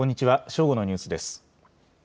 正午のニュースです。